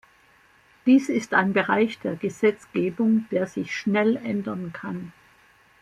Dies ist ein Bereich der Gesetzgebung, der sich schnell ändern kann.